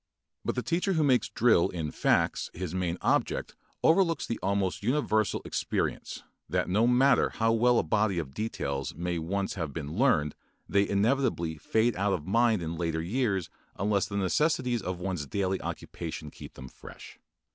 But the teacher who makes drill in the facts his main object overlooks the almost universal experience that no matter how well a body of details may once have been learned they inevitably fade out of mind in later years unless the necessities of one's daily occupation keep them fresh.